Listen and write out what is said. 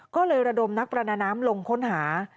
ก็เลยระดมนักประดาน้ำลงค้นหา